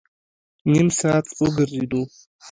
نیم ساعت وګرځېدو.